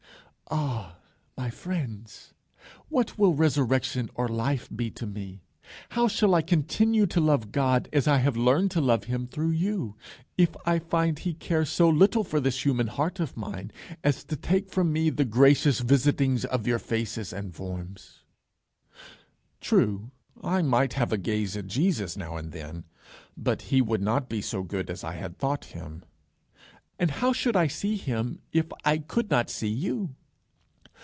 Ah, my friends! what will resurrection or life be to me, how shall I continue to love God as I have learned to love him through you, if I find he cares so little for this human heart of mine, as to take from me the gracious visitings of your faces and forms? True, I might have a gaze at Jesus, now and then; but he would not be so good as I had thought him. And how should I see him if I could not see you?